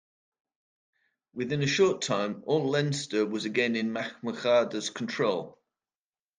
Within a short time, all Leinster was again in Mac Murchada's control.